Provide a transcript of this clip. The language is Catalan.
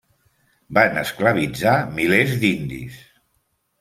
Van esclavitzar milers d'indis.